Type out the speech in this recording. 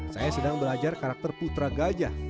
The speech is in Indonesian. saya sedang belajar karakter putra gajah